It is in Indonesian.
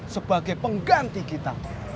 sebagai pengganti kita